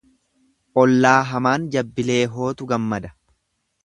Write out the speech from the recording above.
Ollaa hamaan jabbilee hootu gammada.